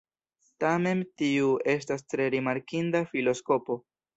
Tamen tiu estas tre rimarkinda filoskopo.